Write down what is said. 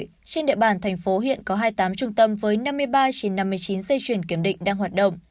trên địa bàn thành phố hiện có hai mươi tám trung tâm với năm mươi ba trên năm mươi chín dây chuyển kiểm định đang hoạt động